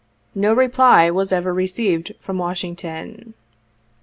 No reply was ever received from "Washington.